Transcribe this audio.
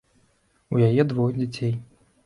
У яе двое дзяцей.